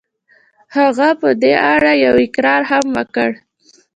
هغه په دې اړه يو اقرار هم وکړ.